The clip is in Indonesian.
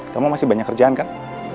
kamu masih banyak kerjaan kan